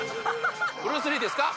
ブルース・リーですか？